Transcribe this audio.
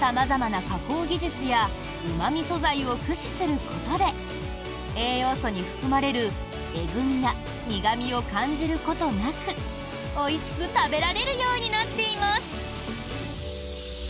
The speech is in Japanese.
様々な加工技術やうま味素材を駆使することで栄養素に含まれるえぐ味や苦味を感じることなくおいしく食べられるようになっています。